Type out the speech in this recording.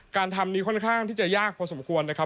การทำนี้ค่อนข้างที่จะยากพอสมควรนะครับ